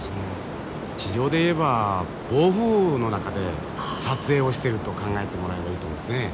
地上で言えば暴風雨の中で撮影をしてると考えてもらえばいいと思いますね。